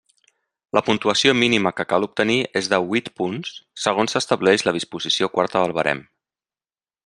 La puntuació mínima que cal obtenir és de huit punts, segons estableix la disposició quarta del barem.